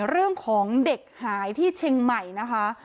เรื่องของเด็กหายที่เชียงใหม่นะคะ